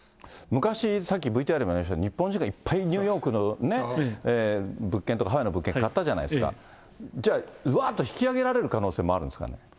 昔、さっきＶＴＲにもありました日本人がいっぱいニューヨークのね、物件とか、ハワイの物件買ったじゃないですか、じゃあ、うわーっと引きあげられる可能性はあるんですかね。